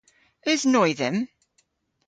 Eus noy dhymm?